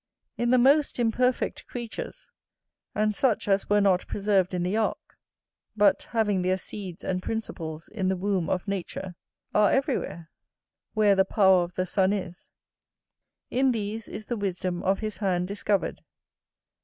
In the most imperfect creatures, and such as were not preserved in the ark, but, having their seeds and principles in the womb of nature, are everywhere, where the power of the sun is, in these is the wisdom of his hand discovered.